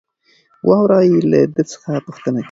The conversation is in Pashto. وراره يې له ده څخه پوښتنه کوي.